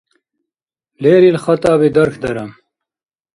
Лерил хатӀаби дархьдара